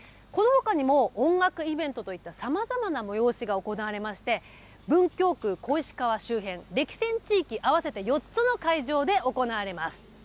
このほかにも、音楽イベントといったさまざまな催しが行われまして、文京区小石川周辺、礫川地域、合わせて４つの会場で行われます。